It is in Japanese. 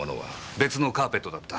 別のカーペットだった。